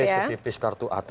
terus tempe setipis kartu atm